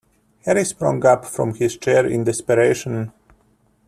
Harry sprang up from his chair in desperation.